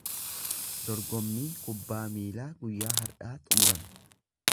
Dorgommii kubbaa miilaa guyyaa har’aa xumurame.